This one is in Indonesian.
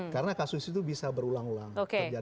karena kasus itu bisa berulang ulang